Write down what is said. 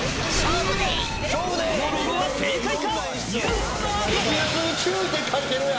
このロゴは正解か？